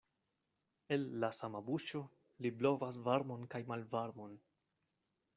El la sama buŝo li blovas varmon kaj malvarmon.